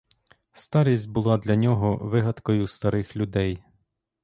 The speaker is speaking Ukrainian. Старість була для нього вигадкою старих людей.